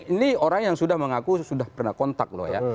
ini orang yang sudah mengaku sudah pernah kontak loh ya